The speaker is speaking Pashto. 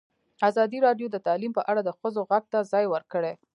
ازادي راډیو د تعلیم په اړه د ښځو غږ ته ځای ورکړی.